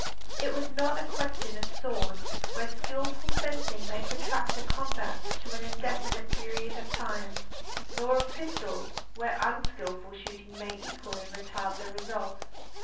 It was not a question of swords, where skilful fencing may protract a combat to an indefinite period of time; nor of pistols, where unskilful shooting may equally retard the result.